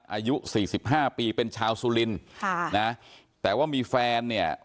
อายุสี่สิบห้าปีเป็นชาวสุรินค่ะนะแต่ว่ามีแฟนเนี่ย